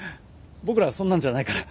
僕らはそんなんじゃないから。